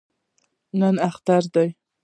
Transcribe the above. نن اختر دی